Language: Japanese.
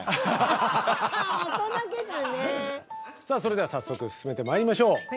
さあそれでは早速進めてまいりましょう。